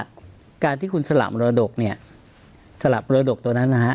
เพราะว่าการที่คุณสลับรวดดกเนี่ยสลับรวดดกตัวนั้นนะฮะ